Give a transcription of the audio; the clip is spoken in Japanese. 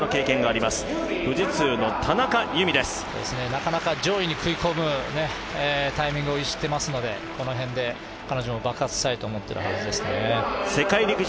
田中選手、なかなか上位に食い込むタイミングを逸してますのでこの辺で彼女も爆発したいと思っているはずですね。